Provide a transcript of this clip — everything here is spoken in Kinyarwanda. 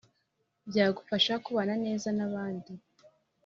byagufasha kubana neza n abandi